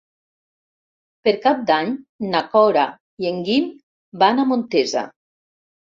Per Cap d'Any na Cora i en Guim van a Montesa.